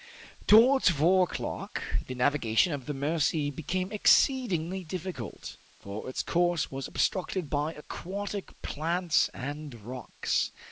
Towards four o'clock, the navigation of the Mercy became exceedingly difficult, for its course was obstructed by aquatic plants and rocks.